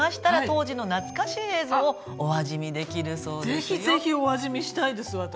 ぜひぜひお味見したいです私。